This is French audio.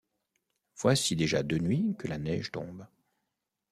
Voici déjà deux nuits que la neige tombe.